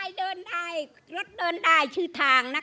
เดินได้รถเดินได้ชื่อทางนะคะ